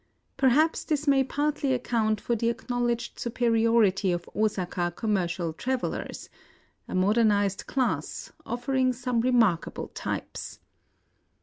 Perhaps this may partly account for the acknowledged superiority of Osaka commercial travelers ; a modernized class, of fering some remarkable types.